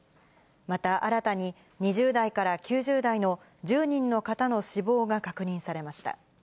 また、新たに２０代から９０代の１０人の方の死亡が確認されました。